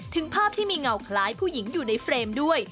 ถึงภาพที่มีเงาคล้ายผู้หญิงอยู่ในเฟรมด้วย